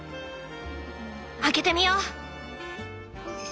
開けてみよう！